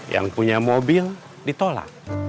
yang punya mobil ditolak